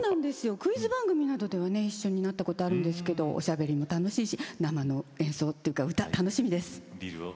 クイズ番組などでは一緒になったことがあるんですけどおしゃべりも楽しいし生の演奏、歌、楽しみです。